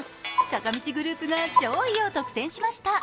坂道グループが上位を独占しました。